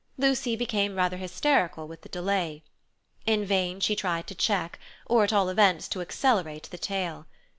Lucy became rather hysterical with the delay. In vain she tried to check, or at all events to accelerate, the tale.